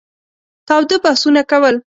تاوده بحثونه کول.